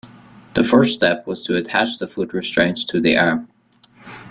The first step was to attach the foot restraints to the arm.